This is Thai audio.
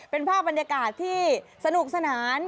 เป็นภาพบรรยากาศที่สนุกสนาน